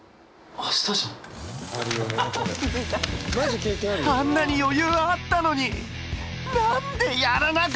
あんなに余裕あったのに何でやらなかったんだ！